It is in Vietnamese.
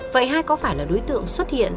vậy hai có phải là đối tượng xuất hiện